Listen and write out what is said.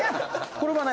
これはね